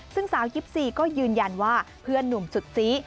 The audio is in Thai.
ซึ่งสาว๒๔ก็ยืนยันว่าเพื่อนหนุ่มสุดซี